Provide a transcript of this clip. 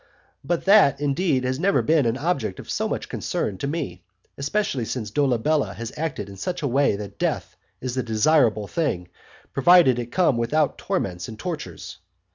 But that indeed has never been an object of much concern to me, especially since Dolabella has acted in such a way that death is a desirable thing, provided it come without torments and tortures.